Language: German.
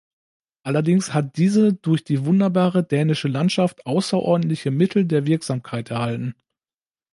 Allerdings hat diese durch die wunderbare dänische Landschaft außerordentliche Mittel der Wirksamkeit erhalten.